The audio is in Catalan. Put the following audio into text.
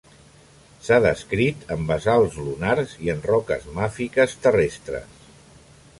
S'ha descrit en basalts lunars i en roques màfiques terrestres.